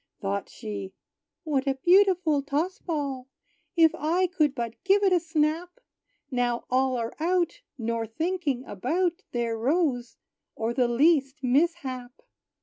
Thought she, "What a beautiful toss ball! If I could but give it a snap, Now all are out, nor thinking about Their rose, or the least mishap!"